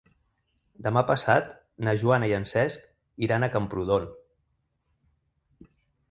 Demà passat na Joana i en Cesc iran a Camprodon.